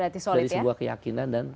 dari sebuah keyakinan dan